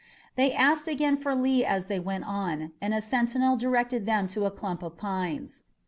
They asked again for Lee as they went on, and a sentinel directed them to a clump of pines.